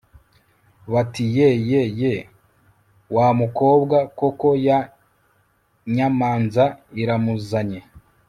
bati 'ye ye ye!' wa mukobwa koko ya nyamanza iramuzanye